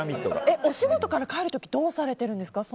お仕事から帰る時どうされてるんですか。